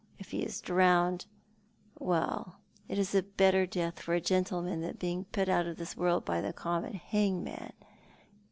"If he is drowned — well, it is a better death for a gentleman than being put out of this world by the common hangman.